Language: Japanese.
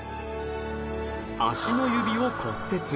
足の指を骨折。